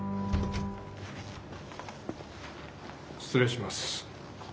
失礼します。